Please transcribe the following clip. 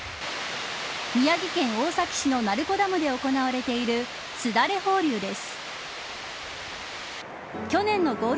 宮城県大崎市の鳴子ダムで行われているすだれ放流です。